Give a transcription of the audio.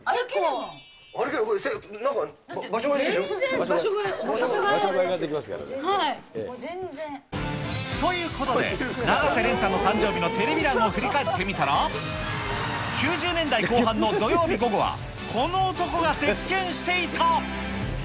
歩ける、全然、場所替えオーケー。ということで、永瀬廉さんの誕生日のテレビ欄を振り返ってみたら、９０年代後半の土曜日午後は、この男が席けんしていた。